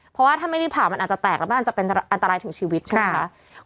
เพราะว่าถ้าไม่ได้ผ่ามันอาจจะแตกแล้วมันอาจจะเป็นอันตรายถึงชีวิตใช่ไหมคะ